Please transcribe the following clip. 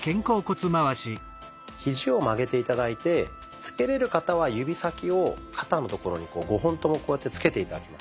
ひじを曲げて頂いてつけれる方は指先を肩のところに５本ともこうやってつけて頂きます。